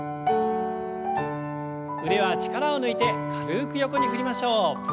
腕は力を抜いて軽く横に振りましょう。